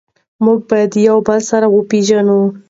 موږ باید یو بل سره وپیژنو.